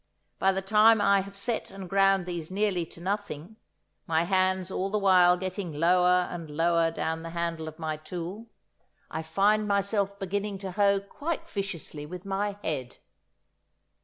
By the time I have set and ground these nearly to nothing—my hands all the while getting lower and lower down the handle of my tool—I find myself beginning to hoe quite viciously with my head.